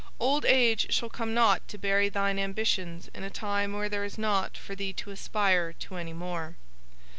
Old age shall come not to bury thine ambitions in a time when there is nought for thee to aspire to any more.